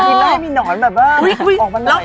อีไล่มีหนอนแบบว่าอุ๊ยออกมาไหนอ่ะ